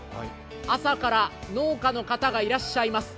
朝から農家の方がいらっしゃいます。